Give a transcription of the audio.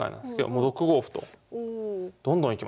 もう６五歩とどんどんいきましょう。